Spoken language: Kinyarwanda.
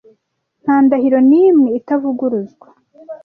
nta ndahiro nimwe itavuguruzwa